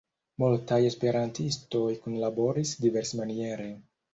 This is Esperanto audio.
Multaj esperantistoj kunlaboris diversmaniere.